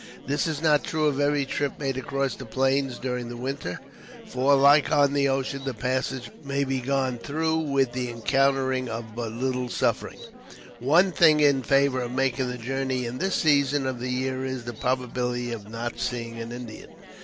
This is not true of every trip made across the plains during the winter, for, like on the ocean, the passage may be frequently gone through with the encountering of but little real suffering. One thing in favor of making the journey in this season of the year is, the probability of not seeing an Indian.